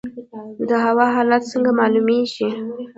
د هوا حالات څنګه معلومیږي؟